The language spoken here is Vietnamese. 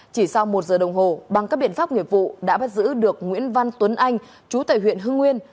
chỉ sau một giờ đồng hồ bằng các biện pháp nghiệp vụ đã bắt giữ được nguyễn văn tuấn anh chú tại huyện hưng nguyên